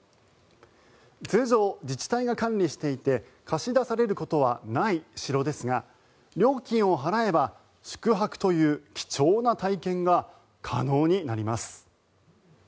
通常、自治体が管理していて貸し出されることはない城ですが料金を払えば宿泊という貴重な体験が可能になります。